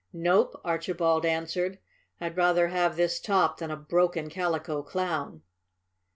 "Nope," Archibald answered. "I'd rather have this top than a broken Calico Clown."